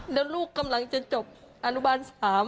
แล้วลูกกำลังจะจบอนุบาล๓